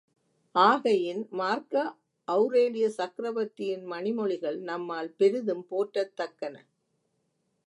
ஆகையின் மார்க்க ஒளரேலிய சக்ரவர்த்தியின் மணிமொழிகள் நம்மால் பெரிதும் போற்றத்தக்கன.